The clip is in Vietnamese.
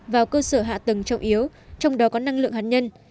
vào cơ sở hạ tầng trọng yếu trong đó có năng lượng hạt nhân